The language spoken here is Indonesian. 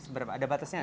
berapa ada batasnya